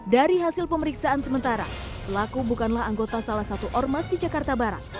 dari hasil pemeriksaan sementara pelaku bukanlah anggota salah satu ormas di jakarta barat